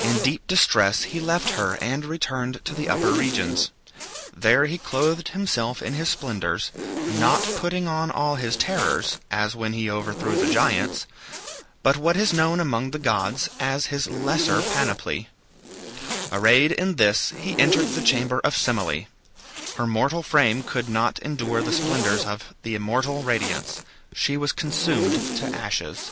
In deep distress he left her and returned to the upper regions. There he clothed himself in his splendors, not putting on all his terrors, as when he overthrew the giants, but what is known among the gods as his lesser panoply. Arrayed in this, he entered the chamber of Semele. Her mortal frame could not endure the splendors of the immortal radiance. She was consumed to ashes.